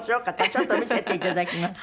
ちょっと見せていただきます。